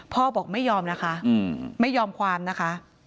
บอกไม่ยอมนะคะไม่ยอมความนะคะ